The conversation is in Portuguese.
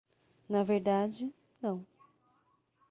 Na verdade, não.